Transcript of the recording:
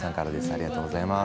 ありがとうございます。